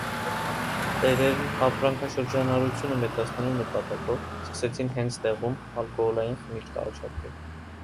Տերերն ապրանքաշրջանառությունը մեծացնելու նպատակով սկսեցին հենց տեղում ալկոհոլային խմիչք առաջարկել։